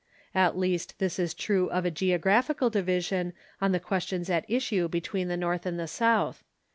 At least this is true of a geographical division on the questions at issue between the North and the South.